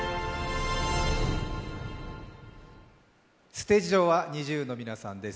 ステージ上はＮｉｚｉＵの皆さんです。